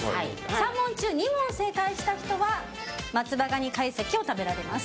３問中２問正解した人は松葉ガニ会席を食べられます。